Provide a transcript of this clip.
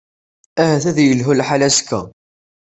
Ahat ad yelhu lḥal azekka.